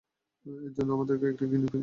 এর জন্য আমাদের একটা গিনি পিগ দরকার।